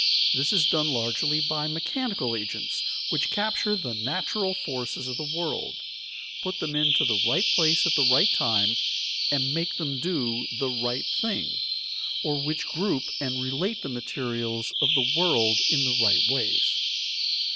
This is done largely by mechanical agents, which capture the natural forces of the world, put them into the right place at the right time, and make them do the right thing, or which group and relate the materials of the world in the right ways.